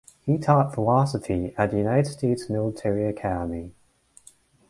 He taught philosophy at the United States Military Academy.